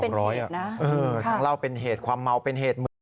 ครับครับครับเล่าเป็นเหตุความเมาเป็นเหตุ